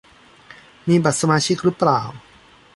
มีบัตรสมาชิกรึเปล่า